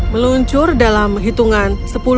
meluncur dalam hitungan sepuluh